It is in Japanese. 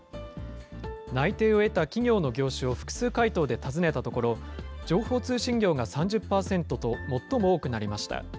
内定を得た企業の業種を複数回答で尋ねたところ、情報通信業が３０％と最も多くなりました。